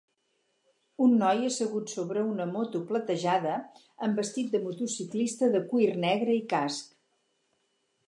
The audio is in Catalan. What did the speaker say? Un noi assegut sobre una moto platejada, amb vestit de motociclista de cuir negre i casc.